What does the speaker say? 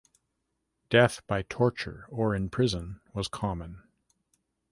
Death by torture or in prison was common.